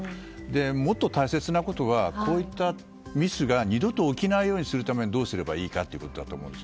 もっと大切なことはこういったミスが２度と起きないようにするためにはどうすればいいかということだと思います。